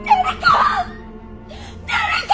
誰か！